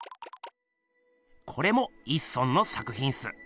これも一村の作ひんっす。